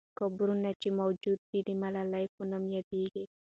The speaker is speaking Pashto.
قبرونه چې موجود دي، د ملالۍ په نامه یادیږي.